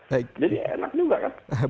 jadi enak juga kan